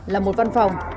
là một văn phòng